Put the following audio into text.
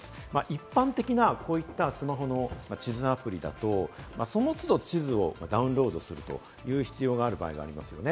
一般的なこういったスマホの地図アプリだと、その都度、地図をダウンロードするという必要がある場合がありますね。